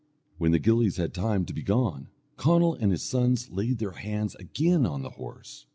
When the gillies had time to be gone, Conall and his sons laid their hands again on the horse.